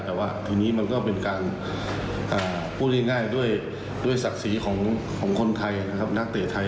แต่ว่าทีนี้มันก็เป็นการพูดง่ายด้วยศักดิ์ศรีของคนไทยนะครับนักเตะไทย